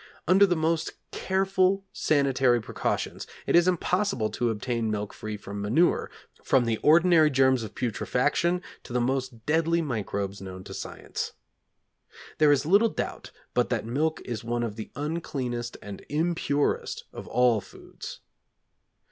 Under the most careful sanitary precautions it is impossible to obtain milk free from manure, from the ordinary germs of putrefaction to the most deadly microbes known to science. There is little doubt but that milk is one of the uncleanest and impurest of all foods.